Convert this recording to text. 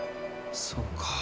そうか。